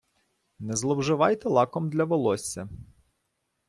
Не зловживайте лаком для волосся.